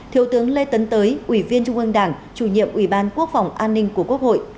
thiếu tướng lê tấn tới ủy viên trung ương đảng chủ nhiệm ủy ban quốc phòng an ninh của quốc hội